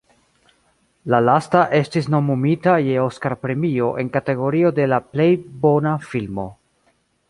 La lasta estis nomumita je Oskar-premio en kategorio de la plej bona filmo.